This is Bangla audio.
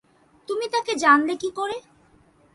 তুমি তাঁকে জানলে কী করে?